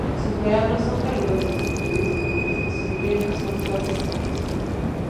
Sus veranos son calurosos y lluviosos, mientras que sus inviernos son suaves y secos.